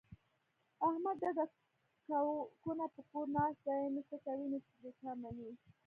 احمد ډډه کونه په کور ناست دی، نه څه کوي نه د چا مني.